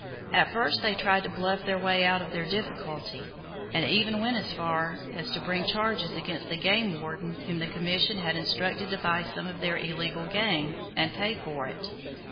At first they tried to bluff their way out of their difficulty, and even went as far as to bring charges against the game warden whom the Commission had instructed to buy some of their illegal game, and pay for it.